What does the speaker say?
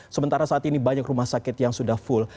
sementara saat ini banyak rumah sakit yang sudah full